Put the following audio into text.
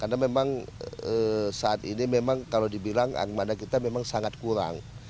karena memang saat ini memang kalau dibilang armada kita memang sangat kurang